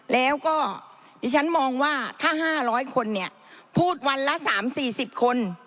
แล้วก็ดิฉันมองว่าถ้า๕๐๐คนเนี่ยพูดวันละ๓๔๐คน